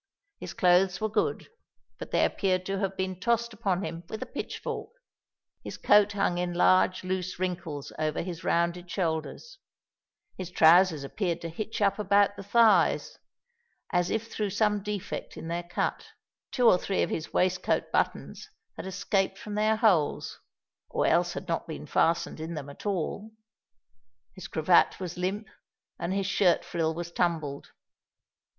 His clothes were good; but they appeared to have been tossed upon him with a pitch fork. His coat hung in large loose wrinkles over his rounded shoulders: his trousers appeared to hitch up about the thighs, as if through some defect in their cut; two or three of his waistcoat buttons had escaped from their holes, or else had not been fastened in them at all; his cravat was limp; and his shirt frill was tumbled.